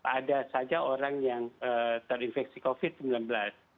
ada saja orang yang terinfeksi covid sembilan belas